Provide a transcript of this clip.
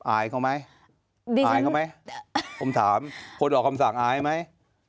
อายเขาไหมอายเขาไหมผมถามคนออกคำสั่งอายไหม